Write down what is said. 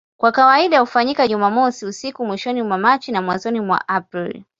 Kwa kawaida hufanyika Jumamosi usiku mwishoni mwa Machi au mwanzoni mwa Aprili.